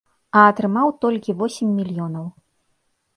А атрымаў толькі восем мільёнаў.